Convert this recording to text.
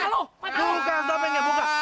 buka topengnya buka